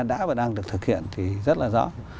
đã và đang được thực hiện thì rất là rõ